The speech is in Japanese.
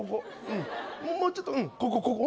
もうちょっとここ。